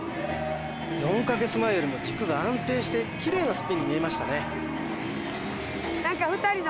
４か月前よりも軸が安定してキレイなスピンに見えましたね